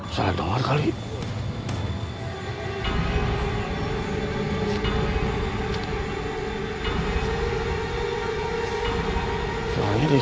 jangan jangan saya masih pengen hidup